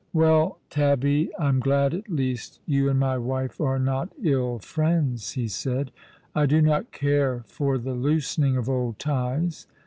'•' Well, Tabby, I'm glad at least you and my wife are not ill friends," he said. " I do not care for the loosening of old ties.